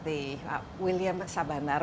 terima kasih pak william sabandar